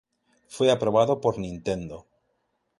Fue aprobado por Nintendo.